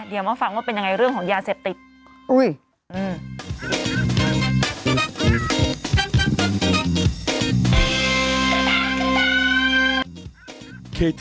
เดี๋ยวมาฟังว่าเป็นยังไงเรื่องของยาเสพติด